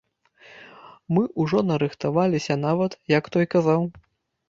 Мы ўжо нарыхтаваліся нават, як той казаў.